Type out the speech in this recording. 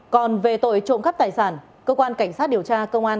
còn về tội trộm cắp tài sản cơ quan cảnh sát điều tra công an